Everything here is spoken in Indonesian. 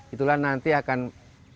itulah nanti akan berhasil